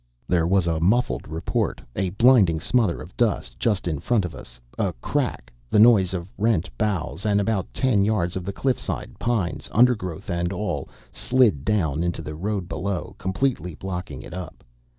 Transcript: There was a muffled report, a blinding smother of dust just in front of us, a crack, the noise of rent boughs, and about ten yards of the cliff side pines, undergrowth, and all slid down into the road below, completely blocking it up.